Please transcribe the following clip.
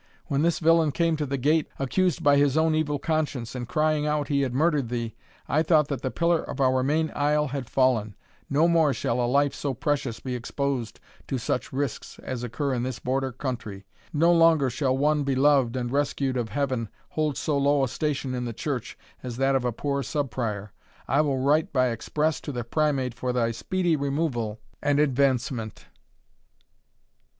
When this villain came to the gate, accused by his own evil conscience, and crying out he had murdered thee, I thought that the pillar of our main aisle had fallen no more shall a life so precious be exposed to such risks as occur in this border country; no longer shall one beloved and rescued of Heaven hold so low a station in the church as that of a poor Sub Prior I will write by express to the Primate for thy speedy removal and advancement."